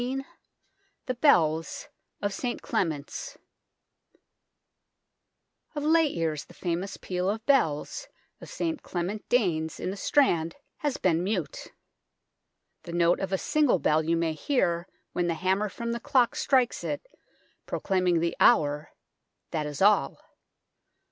XVII THE BELLS OF ST CLEMENT'S OF late years the famous peal of bells of St Clement Danes, in the Strand, has been mute. The note of a single bell you may hear when the hammer from the clock strikes it, proclaiming the hour that is all.